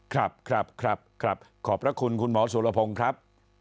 ครับครับขอบพระคุณคุณหมอสุรพงศ์ครับ